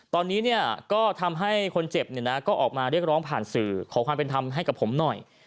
ตอนนี้เนี่ยก็ทำให้คนเจ็บเนี่ยนะก็ออกมาเรียกร้องผ่านสื่อขอความเป็นธรรมให้กับผมหน่อย